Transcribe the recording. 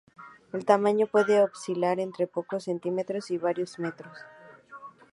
El tamaño puede oscilar entre pocos centímetros y varios metros.